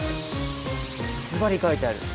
ずばり書いてある。